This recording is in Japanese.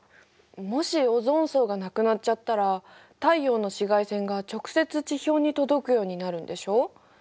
もしオゾン層がなくなっちゃったら太陽の紫外線が直接地表に届くようになるんでしょ？